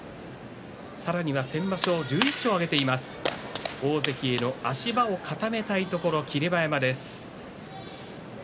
さらには先場所１１勝挙げています大関への足場を固めたいところ霧馬山です。